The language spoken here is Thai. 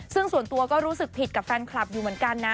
ซึ่งส่วนตัวก็รู้สึกผิดกับแฟนคลับอยู่เหมือนกันนะ